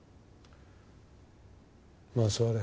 まあ座れ。